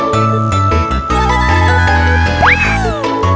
สมุมวันสมุม